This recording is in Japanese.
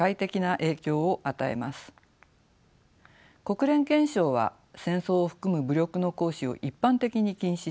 国連憲章は戦争を含む武力の行使を一般的に禁止しています。